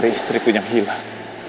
dari cari istriku yang hilang